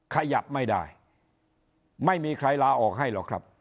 ขยับไม่ได้ไม่มีใครลาออกให้หรอกครับ